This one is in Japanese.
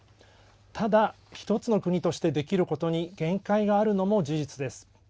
ただ、１つの国としてできることに限界があるのも事実です。